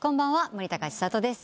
森高千里です。